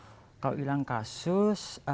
atau menghilang kasus